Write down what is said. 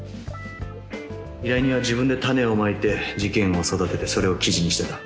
依頼人は自分で種をまいて事件を育ててそれを記事にしてた。